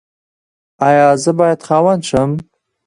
ایا زه باید خاوند شم؟